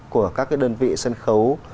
của các cái đơn vị sân khấu